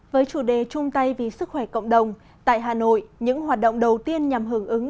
với chủ đề trung tây vì sức khỏe cộng đồng tại hà nội những hoạt động đầu tiên nhằm hưởng ứng